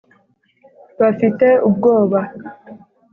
Bafite ubwoba.